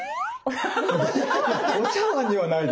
お茶わんにはないです。